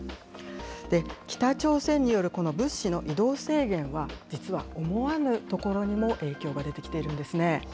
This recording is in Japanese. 北朝鮮によるこの物資の移動制限は、実は思わぬところにも影響が出てきてるんですね。